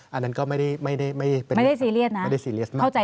อันนั้นก็ไม่ได้ซีเรียสนะไม่ได้ซีเรียสมาก